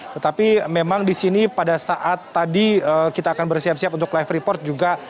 tetapi memang di sini pada saat tadi kita akan bersiap siap untuk live report juga